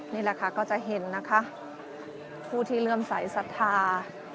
นี่แหละค่ะก็จะเห็นนะคะผู้ที่เริ่มสายศรัทธา